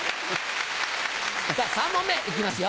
さぁ３問目いきますよ。